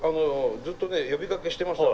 ずっとね呼びかけしてました。